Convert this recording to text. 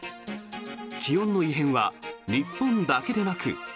気温の異変は日本だけでなく。